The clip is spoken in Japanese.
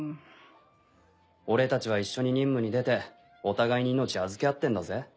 俺たちは一緒に任務に出てお互いに命預け合ってんだぜ。